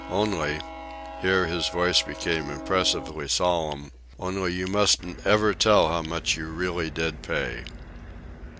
Only," here his voice became impressively solemn, "only you mustn't ever tell how much you really did pay."